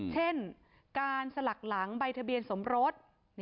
เช่นการสลักหลังใบทะเบียนสมรส